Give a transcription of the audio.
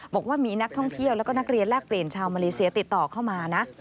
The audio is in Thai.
บอกว่ามีนักท่องเที่ยวแล้วก็นักเรียนแลกเปลี่ยนชาวมาเลเซียติดต่อเข้ามานะ